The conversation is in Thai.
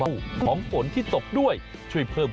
สวัสดีครับคุณพี่สวัสดีครับ